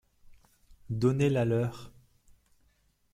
Donnez-la-leur.